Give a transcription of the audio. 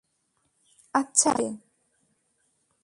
আচ্ছা, বাদ দেন।